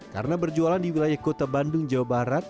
karena berjualan di wilayah kota bandung jawa barat